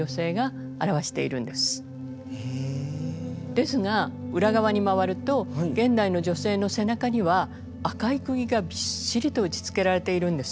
ですが裏側に回ると現代の女性の背中には赤いくぎがびっしりと打ちつけられているんです。